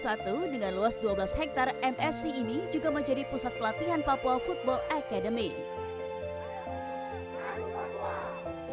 msc ini juga menjadi pusat pelatihan papua football academy